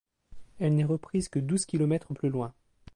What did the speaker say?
Elle n'est reprise que douze kilomètres plus loin.